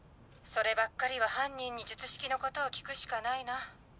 そればっかりは犯人に術式のことを聞くしかないな。